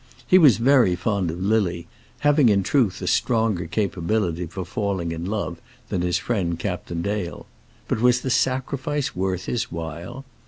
He was very fond of Lily, having in truth a stronger capability for falling in love than his friend Captain Dale; but was the sacrifice worth his while?